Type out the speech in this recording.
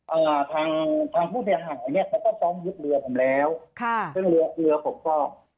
อ่าทางทางผู้เสียหายเนี้ยเขาก็ซ้อมยึดเรือผมแล้วค่ะซึ่งเรือเรือผมก็